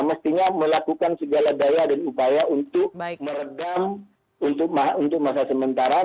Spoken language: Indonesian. mestinya melakukan segala daya dan upaya untuk meredam untuk masa sementara